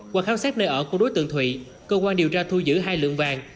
qua khám xét nơi ở của đối tượng thụy cơ quan điều tra thu giữ hai lượng vàng